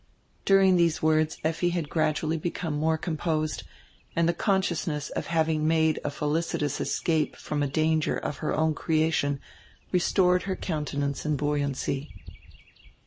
During these words Effi had gradually become more com posed, and die consciousness of having made a felicitous escape from a danger of her own creation restored her countenance and buoyancy.